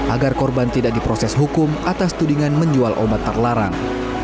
agar korban tidak diproses hukum atas tudingan menjual obat terlarang